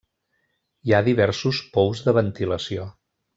Hi ha diversos pous de ventilació.